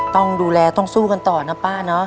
ต้องดูแลต้องสู้กันต่อนะป้าเนอะ